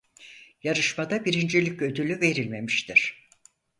Yarışmada birincilik ödülü verilmemiştir.